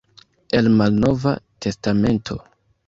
El Malnova Testamento.